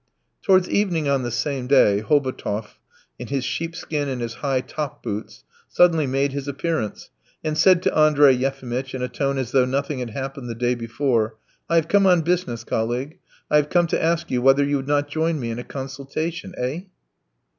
Towards evening on the same day Hobotov, in his sheepskin and his high top boots, suddenly made his appearance, and said to Andrey Yefimitch in a tone as though nothing had happened the day before: "I have come on business, colleague. I have come to ask you whether you would not join me in a consultation. Eh?"